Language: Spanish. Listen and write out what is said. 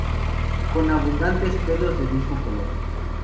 Con abundantes pelos de mismo color.